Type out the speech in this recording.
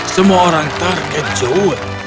semua orang terkejut